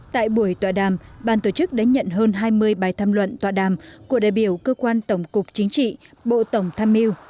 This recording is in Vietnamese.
tại buổi tọa đàm ban tổ chức đã nhận hơn hai mươi bài tham luận tọa đàm của đại biểu cơ quan tổng cục chính trị bộ tổng tham mưu